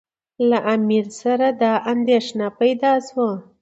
له امیر سره دا اندېښنه پیدا شوه.